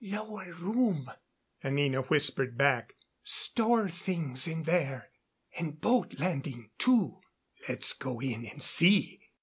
"Lower room," Anina whispered back. "Store things in there. And boat landing, too." "Let's go in and see."